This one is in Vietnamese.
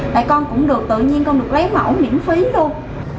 tại con cũng được tự nhiên con được lấy mẫu miễn phí thôi